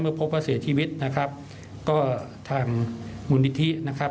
พบว่าเสียชีวิตนะครับก็ทางมูลนิธินะครับ